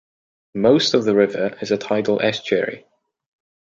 Most of the river is a tidal estuary.